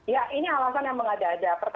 ya ini alasan yang mengada ada